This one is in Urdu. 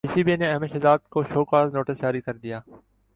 پی سی بی نے احمد شہزاد کو شوکاز نوٹس جاری کردیا